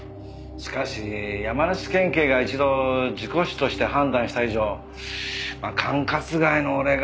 しかし山梨県警が一度事故死として判断した以上管轄外の俺が。